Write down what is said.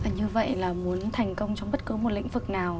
như vậy là muốn thành công trong bất cứ một lĩnh vực nào